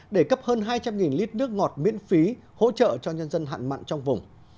để cấp hơn hai trăm linh lít nước ngọt miễn phí hỗ trợ cho nhân dân hạn mặn trong vùng